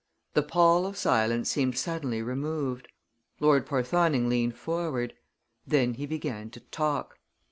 The pall of silence seemed suddenly removed. Lord Porthoning leaned forward. Then he began to talk.